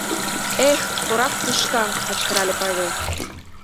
— Эх, корак тӱшка! — кычкырале Павел.